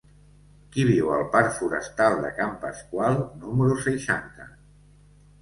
Qui viu al parc Forestal de Can Pasqual número seixanta?